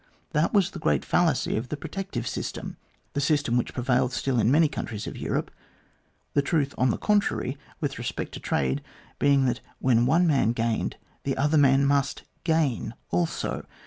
That was the great fallacy of the protective system, the system which prevailed still in many countries of Europe, the truth, on the contrary, with respect to trade being that when one man gained the other man must gain also.